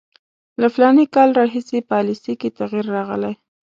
له فلاني کال راهیسې پالیسي کې تغییر راغلی.